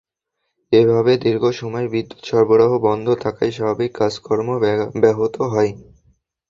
এভাবে দীর্ঘ সময় বিদ্যুৎ সরবরাহ বন্ধ থাকায় স্বাভাবিক কাজকর্ম ব্যাহত হয়।